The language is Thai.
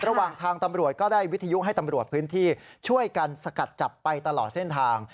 ระหว่างทางตำรวจก็ได้วิทยุให้ตำรวจพื้นที่ช่วยกันสกัดจับไปตลอดเส้นทาง